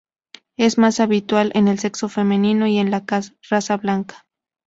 Es más habitual en el sexo femenino y en la raza blanca.